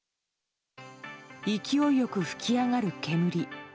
勢いよく噴き上がる煙。